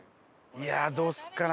いやあどうすっかな？